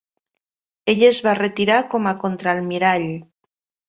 Ell es va retirar com a contraalmirall.